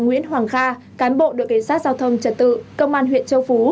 nguyễn hoàng kha cán bộ đội cảnh sát giao thông trật tự công an huyện châu phú